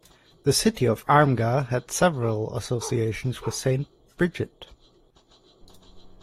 The city of Armagh had several associations with Saint Brigid.